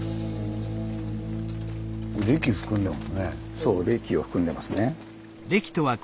そう礫を含んでますね。